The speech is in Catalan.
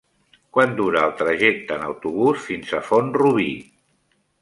Quant dura el trajecte en autobús fins a Font-rubí?